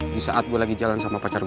di saat gue lagi jalan sama pacar gue